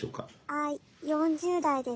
はい４０代です。